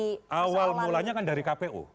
itu awal mulanya kan dari kpu